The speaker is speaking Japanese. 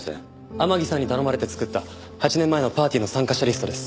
天樹さんに頼まれて作った８年前のパーティーの参加者リストです。